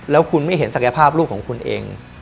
แล้วคุณไม่เห็นศักยภาพลูกของคุณเอง